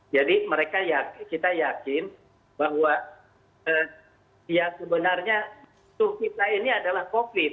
jadi kita yakin bahwa sebenarnya covid sembilan belas ini adalah covid sembilan belas